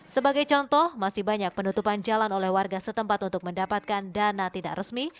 sebagai contoh masih banyak penutupan jalan oleh warga setempat untuk mendapatkan dana tidak resmi